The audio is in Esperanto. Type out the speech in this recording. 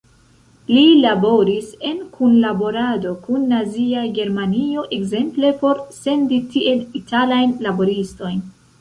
Li laboris en kunlaborado kun Nazia Germanio ekzemple por sendi tien italajn laboristojn.